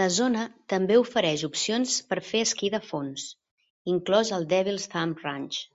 La zona també ofereix opcions per fer esquí de fons, inclòs el Devil's Thumb Ranch.